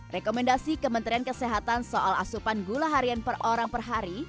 rekomendasi kementerian kesehatan soal asupan gula harian per orang per hari